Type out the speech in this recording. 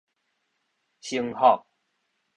成福